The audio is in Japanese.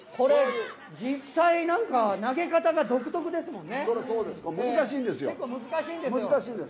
実際、投げ方が独特ですもんね。